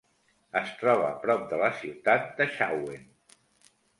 Es troba prop de la ciutat de Xauen.